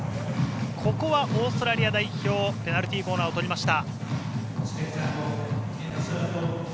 ここはオーストラリア代表ペナルティーコーナーを取りました。